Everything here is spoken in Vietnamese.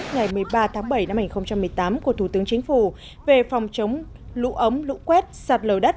ngày một mươi ba tháng bảy năm hai nghìn một mươi tám của thủ tướng chính phủ về phòng chống lũ ống lũ quét sạt lở đất